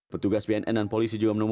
pertugas bnn dan polisi juga menunggu